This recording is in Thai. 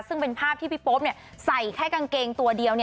ซึ่งเป็นภาพที่พี่โป๊ปใส่แค่กางเกงตัวเดียว